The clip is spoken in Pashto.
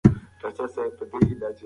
موږ باید د ټیکنالوژۍ له پرمختګ ګټه واخلو.